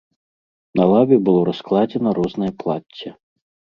На лаве было раскладзена рознае плацце.